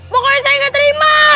pokoknya saya gak terima